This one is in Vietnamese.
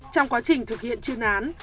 trong quá trình thực hiện chương án